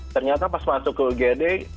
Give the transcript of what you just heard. ternyata pas masuk ke ugd